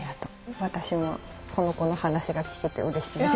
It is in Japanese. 私もこの子の話が聞けてうれしいです。